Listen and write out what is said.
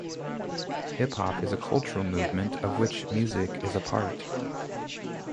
Hip hop is a cultural movement, of which music is a part.